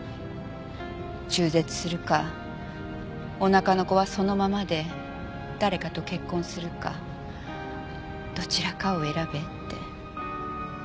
中絶するかお腹の子はそのままで誰かと結婚するかどちらかを選べって。